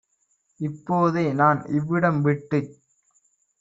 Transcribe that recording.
இப்போ தேநான் இவ்விடம் விட்டுச்